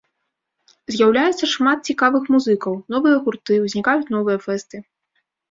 З'яўляецца шмат цікавых музыкаў, новыя гурты, узнікаюць новыя фэсты.